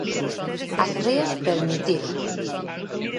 As rías permitírono.